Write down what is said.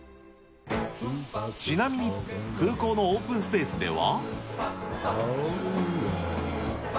ちなみに、空港のオープンスペースでは。